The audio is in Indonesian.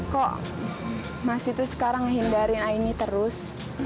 kok mas itu sekarang ngehindarin aini terus